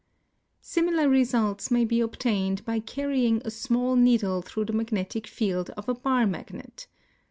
Similar results may be obtained by carrying a small needle through the magnetic field of a bar magnet.